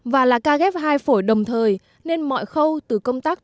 và là ca ghép hai phổi đồng thời nên mọi khâu từ công tác